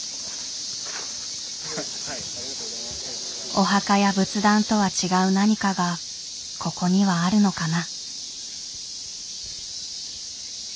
お墓や仏壇とは違う何かがここにはあるのかな。